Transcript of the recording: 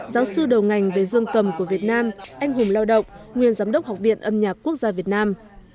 giáo sư đầu ngành về dương cầm của việt nam anh hùng lao động nguyên giám đốc học viện âm nhạc quốc gia việt nam